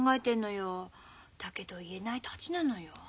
だけど言えないタチなのよ。